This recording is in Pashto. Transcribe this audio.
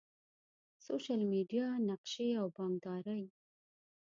سوشل میډیا، نقشي او بانکداری